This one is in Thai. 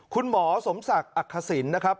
คุณหมอสมศักดิ์อักษิณนะครับ